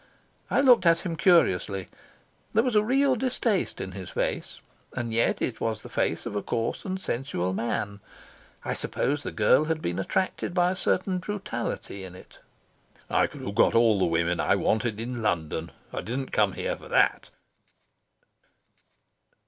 I looked at him curiously. There was a real distaste in his face, and yet it was the face of a coarse and sensual man. I suppose the girl had been attracted by a certain brutality in it. "I could have got all the women I wanted in London. I didn't come here for that."